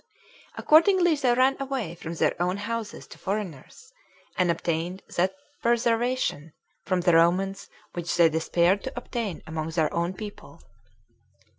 Accordingly, they ran away from their own houses to foreigners, and obtained that preservation from the Romans which they despaired to obtain among their own people.